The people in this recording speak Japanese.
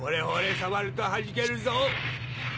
触るとはじけるぞ。